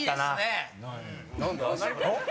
何だ？